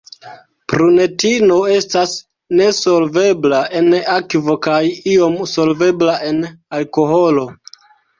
Prunetino estas nesolvebla en akvo kaj iom solvebla en alkoholo.